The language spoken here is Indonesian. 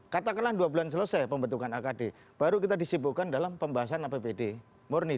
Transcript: katakanlah dua bulan selesai pembentukan akd baru kita disibukkan dalam pembahasan apbd murni dua ribu dua puluh